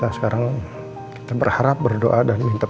aku kangen bapak mak